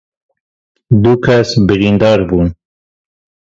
Du kes birîndar bûn.